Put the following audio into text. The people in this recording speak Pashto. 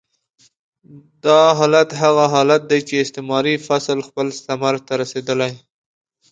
دا حالت هغه حالت دی چې استعماري فصل خپل ثمر ته رسېدلی.